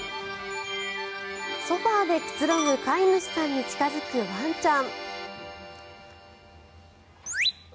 ソファでくつろぐ飼い主さんに近付くワンちゃん。